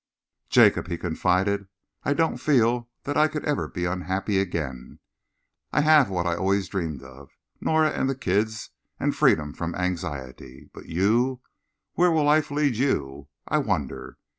"Jacob," he confided, "I don't feel that I could ever be unhappy again. I have what I always dreamed of Nora and the kids and freedom from anxiety. But you where will life lead you, I wonder?